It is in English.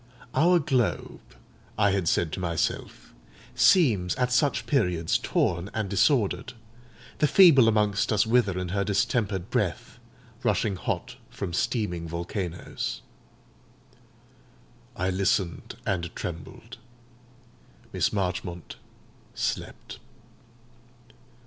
"Our globe," I had said to myself, "seems at such periods torn and disordered; the feeble amongst us wither in her distempered breath, rushing hot from steaming volcanoes." I listened and trembled; Miss Marchmont slept.